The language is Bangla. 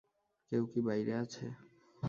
কেউকি বাইরে আছে?